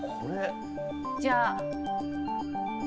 じゃあ。